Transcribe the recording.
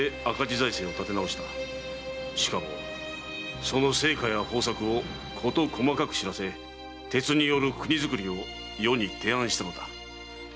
しかもその成果や方策を事細かく知らせ鉄による国づくりを余に提案したのだ。